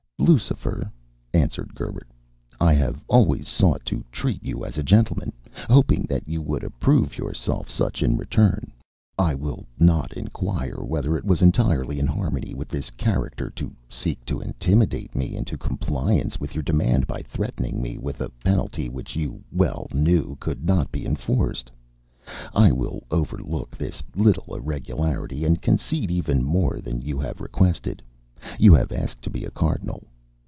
"Lucifer," answered Gerbert, "I have always sought to treat you as a gentleman, hoping that you would approve yourself such in return. I will not inquire whether it was entirely in harmony with this character to seek to intimidate me into compliance with your demand by threatening me with a penalty which you well knew could not be enforced. I will overlook this little irregularity, and concede even more than you have requested. You have asked to be a Cardinal.